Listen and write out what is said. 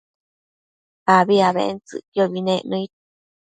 abi abentsëcquiobi nec nëid